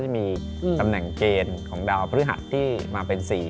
มีตำแหน่งเกณฑ์ของดาวพฤหัสที่มาเป็น๔